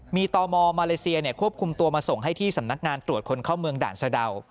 มีตมมาเลเซียควบคุมตัวมาส่งให้ที่สำนักงานตรวจคนเข้าเมืองด่านสะดาว